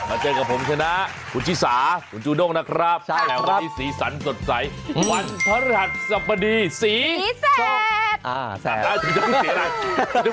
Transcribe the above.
มาเจอกับผมชนะคุณชิสาคุณจูนกนะครับแหล่ววันนี้สีสันสดใสวันธรรมดีสีแสด